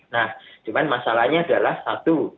nah cuman masalahnya adalah satu